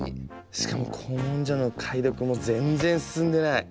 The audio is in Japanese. しかも古文書の解読も全然進んでない。